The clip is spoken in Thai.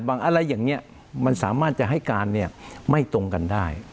บางอะไรอย่างเงี้ยมันสามารถจะให้การเนี่ยไม่ตรงกันได้